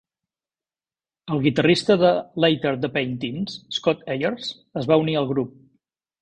El guitarrista de Later The Pain Teens, Scott Ayers, es va unir al grup.